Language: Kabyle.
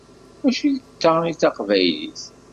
Mačči d ta i d taqbaylit!